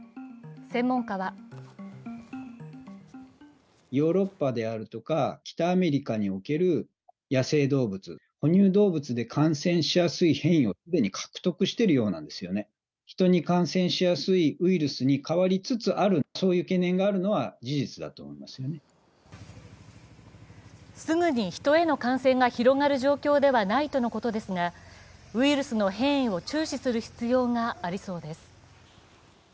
専門家はすぐに人への感染が広がる状況ではないとのことですがウイルスの変異を中止する必要がありそうです。